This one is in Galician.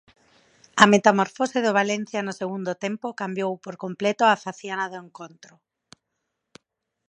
A metamorfose do Valencia no segundo tempo cambiou por completo a faciana do encontro.